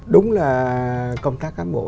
đúng là công tác cán bộ